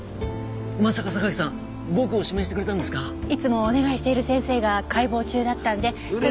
いつもお願いしている先生が解剖中だったんでそれで。